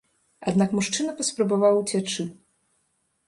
Аднак мужчына паспрабаваў уцячы.